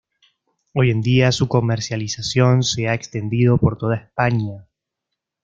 Hoy en día, su comercialización se ha extendido por toda España.